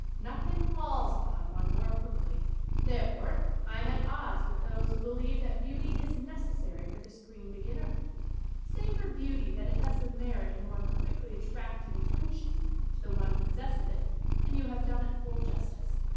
Nothing palls upon one more quickly. 46 SCREEN ACTING Therefore, I am at odds with those who be lieve that beauty is necessary for the screen be ginner. Say for beauty that it has the merit of more quickly attracting attention to the one who possesses it and you have done it full jus tice.